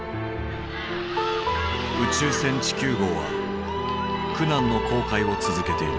「宇宙船地球号」は苦難の航海を続けている。